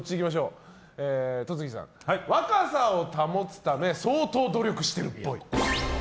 戸次さん、若さを保つため相当努力してるっぽい。